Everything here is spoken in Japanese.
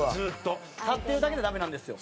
田村：立ってるだけじゃダメなんですよ。